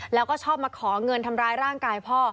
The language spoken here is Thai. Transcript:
แล้วก็ชอบมาขอเงินทำร้ายร่างกายพ่อ